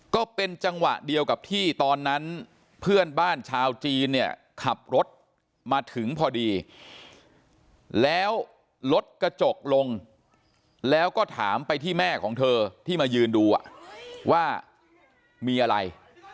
ก็เป็นจังหวะเดียวกับที่ตอนนั้นเพื่อนบ้านชาวจีนเนี่ยขับรถมาถึงพอดีแล้วรถกระจกลงแล้วก็ถามไปที่แม่ของเธอที่มายืนดูว่ามีอะไร